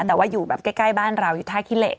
แต่ว่าอยู่แบบใกล้บ้านเราอยู่ท่าขี้เหล